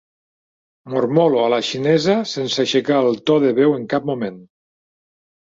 Mormolo a la xinesa sense aixecar el to de veu en cap moment.